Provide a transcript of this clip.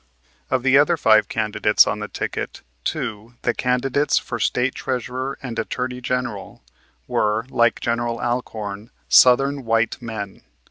Of the other five candidates on the ticket two, the candidates for State Treasurer and Attorney General, were, like General Alcorn, Southern white men.